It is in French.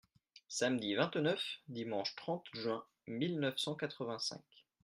Samedi vingt-neuf, dimanche trente juin mille neuf cent quatre-vingt-cinq.